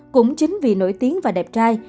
cũng chính vì nổi tiếng và đẹp trai